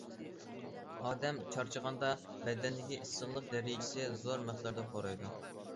ئادەم چارچىغاندا بەدەندىكى ئىسسىقلىق دەرىجىسى زور مىقداردا خورايدۇ.